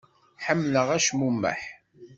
Ḥemmleɣ acmumeḥ.